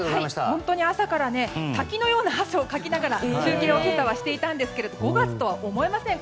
本当に朝から滝のような汗をかきながら中継していたんですけども５月とは思えません